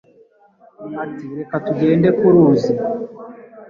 Ati: "Reka tugende ku ruzi."